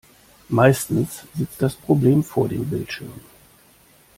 Meistens sitzt das Problem vor dem Bildschirm.